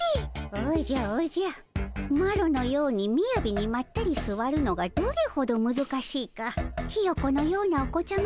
おじゃおじゃマロのようにみやびにまったりすわるのがどれほどむずかしいかヒヨコのようなお子ちゃまには分からぬでおじゃる。